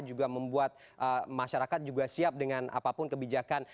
juga membuat masyarakat juga siap dengan apapun kebijakan